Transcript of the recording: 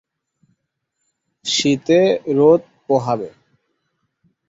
শীতে রোদ পোহাবে।